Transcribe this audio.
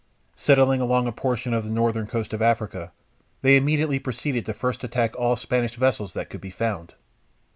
Settling along a portion of the northern coast of Africa, they immediately proceeded to first attack all Spanish vessels that could be found.